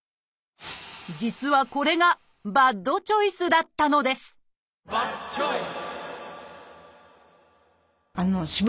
実はこれがバッドチョイスだったのですバッドチョイス！